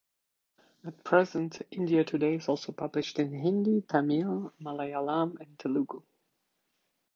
At present, "India Today" is also published in Hindi, Tamil, Malayalam and Telugu.